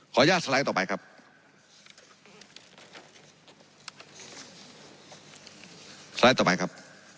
ขออนุญาตสไลก์ต่อไปครับ